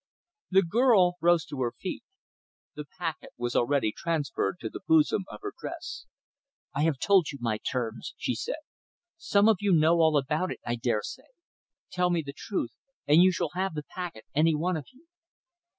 The girl rose to her feet. The packet was already transferred to the bosom of her dress. "I have told you my terms," she said. "Some of you know all about it, I dare say! Tell me the truth and you shall have the packet, any one of you."